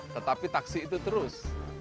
tetapi taksi itu terus